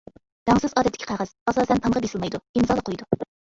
رەڭسىز ئادەتتىكى قەغەز، ئاساسەن تامغا بېسىلمايدۇ، ئىمزالا قويىدۇ.